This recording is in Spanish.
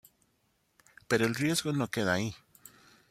Pero el riesgo no queda ahí.